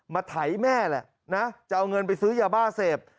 ไถแม่แหละนะจะเอาเงินไปซื้อยาบ้าเสพ